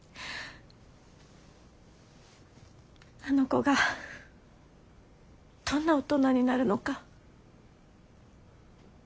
あの子がどんな大人になるのか。